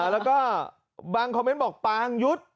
แล้วก็บางคอมเมนต์บอกปางยุทธ์